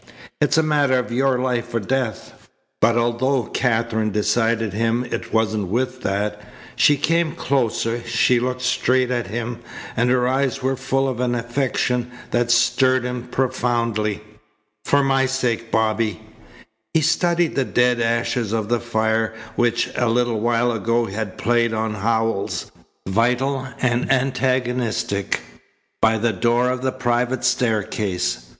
"It's a matter of your life or death." But although Katherine decided him it wasn't with that. She came closer. She looked straight at him, and her eyes were full of an affection that stirred him profoundly: "For my sake, Bobby " He studied the dead ashes of the fire which a little while ago had played on Howells, vital and antagonistic, by the door of the private staircase.